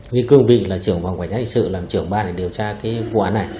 nguyễn cương định là trưởng vòng quản giác hình sự làm trưởng ban để điều tra cái vụ án này